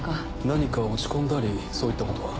何か落ち込んだりそういったことは？